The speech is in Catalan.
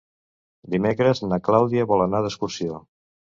Dimecres na Clàudia vol anar d'excursió.